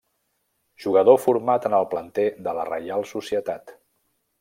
Jugador format en el planter de la Reial Societat.